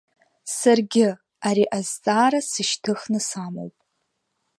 Саргьы ари азҵаара сышьҭыхны самоуп.